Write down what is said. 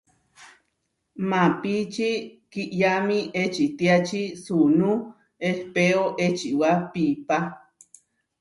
Maapíči kiʼyámi ečitiáči suunú ehpéo ečiwá piipá.